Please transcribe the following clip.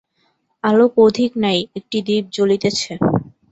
আলোক অধিক নাই, একটি দীপ জ্বলিতেছে।